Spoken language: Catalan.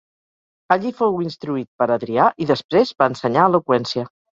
Allí fou instruït per Adrià i després va ensenyar eloqüència.